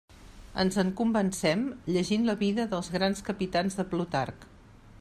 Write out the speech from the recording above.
Ens en convencem llegint la Vida dels grans capitans de Plutarc.